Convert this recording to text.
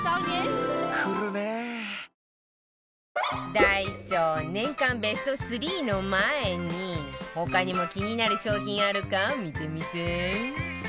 ダイソー年間ベスト３の前に他にも気になる商品あるか見てみて